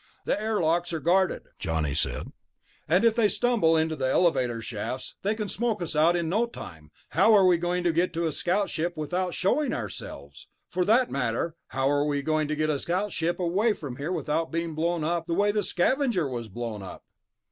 "The airlocks are guarded," Johnny said, "and if they tumble to the ventilator shafts, they can smoke us out in no time. How are we going to get a scout ship without showing ourselves? For that matter, how are we going to get a scout ship away from here without being blown up the way the Scavenger was blown up?"